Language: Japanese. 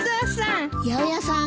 八百屋さん